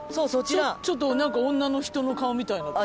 ちょっとなんか女の人の顔みたいなって事？